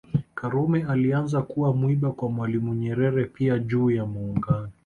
karume alianza kuwa mwiba kwa Mwalimu Nyerere pia juu ya Muungano